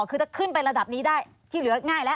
คือถ้าขึ้นไประดับนี้ได้ที่เหลือง่ายแล้ว